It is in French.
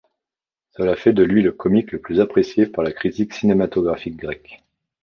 Cela fait de lui le comique le plus apprécié par la critique cinématographique grecque.